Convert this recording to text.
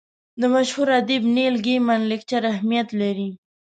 د مشهور ادیب نیل ګیمن لیکچر اهمیت لري.